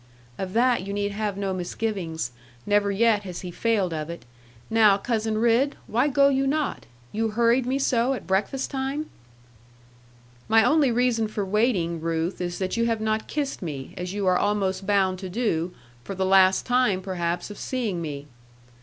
'Of that you need have no misgivings. Never yet has he failed of it. Now, Cousin Ridd, why go you not? You hurried me so at breakfast time?' 'My only reason for waiting, Ruth, is that you have not kissed me, as you are almost bound to do, for the last time perhaps of seeing me.'